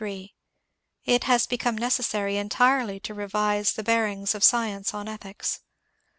It has become necessary entirely to rerise the bear ings of science on ethics.